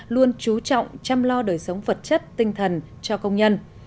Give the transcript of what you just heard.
luôn chú trọng chăm lo đời sống vật chất tinh thần cho công nhân